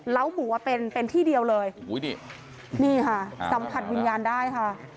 ล้าวหมูอ่ะเป็นเป็นที่เดียวเลยอุ้ยดินี่ค่ะสัมผัสวิญญาณได้ค่ะ